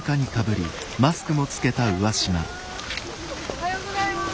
おはようございます。